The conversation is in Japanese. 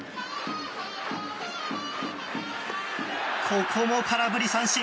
ここも空振り三振。